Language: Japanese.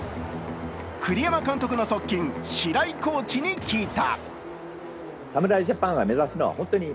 栗山監督の側近、白井コーチに聞いた。